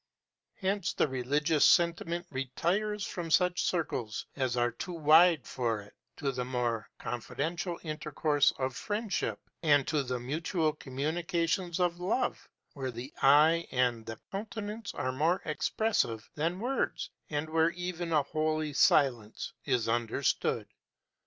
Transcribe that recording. Hence, the religious sentiment retires from such circles as are too wide for it, to the more confidential intercourse of friendship, and to the mutual communications of love, where the eye and the countenance are more expressive than words, and where even a holy silence is understood.